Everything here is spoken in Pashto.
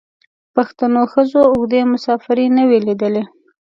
پښتنو ښځو اوږدې مسافرۍ نه وې لیدلي.